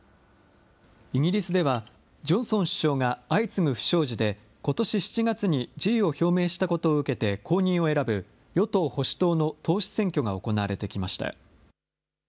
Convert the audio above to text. イギリスでは、ジョンソン首相が相次ぐ不祥事でことし７月に辞意を表明したことを受けて後任を選ぶ、与党・保守党の党首選挙が行われてきました。